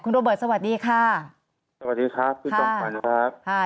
คุณโรเบิร์ตสวัสดีค่ะสวัสดีครับพี่สมภัณฑ์ครับ